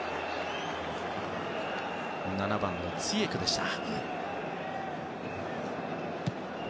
７番のツィエクでした。